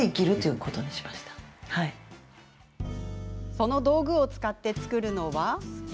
その道具を使って作るのは。